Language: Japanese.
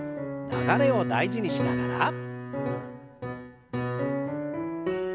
流れを大事にしながら。